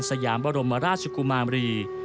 สยามบรมราชกุมารี